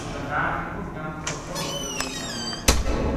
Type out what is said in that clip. دکاندار نے اُس جنا کو سو رُپیو بھی موڑ دِیتو